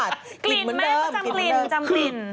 จำกลิ่น